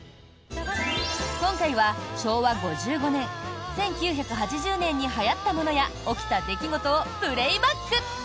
今回は昭和５５年、１９８０年にはやったものや起きた出来事をプレーバック！